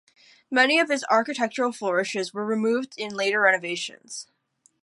Many of his architectural flourishes were removed in later renovations.